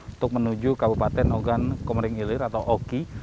untuk menuju kabupaten ogan komering ilir atau oki